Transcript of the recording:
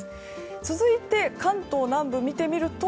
続いて関東南部を見てみると。